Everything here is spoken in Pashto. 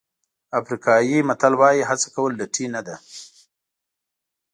افریقایي متل وایي هڅه کول لټي نه ده.